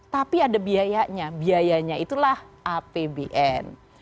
tapi ada biayanya biayanya itulah apbn